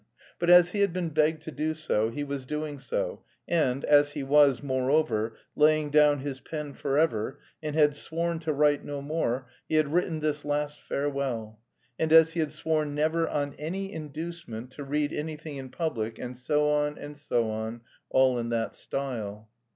"but as he had been begged to do so, he was doing so, and as he was, moreover, laying down his pen forever, and had sworn to write no more, he had written this last farewell; and as he had sworn never, on any inducement, to read anything in public," and so on, and so on, all in that style.